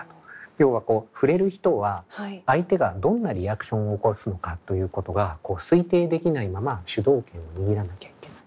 要はふれる人は相手がどんなリアクションを起こすのかということが推定できないまま主導権を握らなきゃいけない。